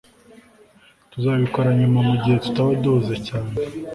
tuzabikora nyuma mugihe tutaba duhuze cyane